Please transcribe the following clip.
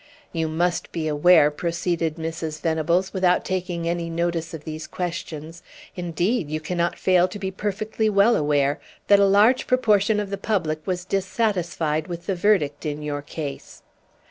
"You must be aware," proceeded Mrs. Venables, without taking any notice of these questions "indeed, you cannot fail to be perfectly well aware that a large proportion of the public was dissatisfied with the verdict in your case."